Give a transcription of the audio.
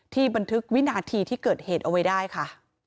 บันทึกวินาทีที่เกิดเหตุเอาไว้ได้ค่ะ